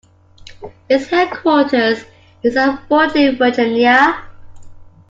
Its headquarters is at Fort Lee, Virginia.